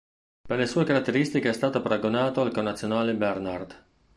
Per le sue caratteristiche è stato paragonato al connazionale Bernard.